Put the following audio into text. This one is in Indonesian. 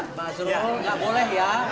nggak boleh ya